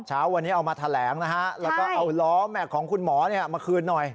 เช้าวันนี้เอามาแถลงนะฮะแล้วก็เอาล้อแม็กซ์ของคุณหมอมาคืนหน่อย